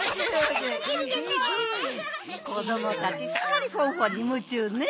こどもたちすっかりフォンフォンにむちゅうね。